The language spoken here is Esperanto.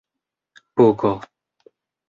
pugo